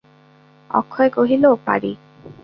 অক্ষয় কহিল, পারি।